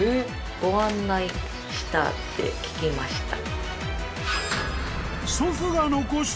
ご案内したって聞きました。